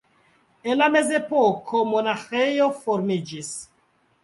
En la mezepoko monaĥejo formiĝis.